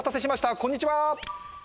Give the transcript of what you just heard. こんにちは